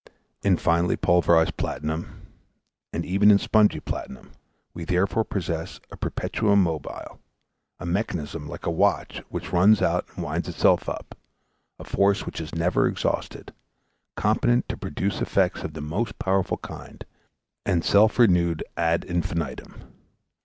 In finely pulverised platinum, and even in spongy platinum, we therefore possess a perpetuum mobile a mechanism like a watch which runs out and winds itself up a force which is never exhausted competent to produce effects of the most powerful kind, and self renewed ad infinitum.